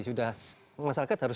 sudah masyarakat harus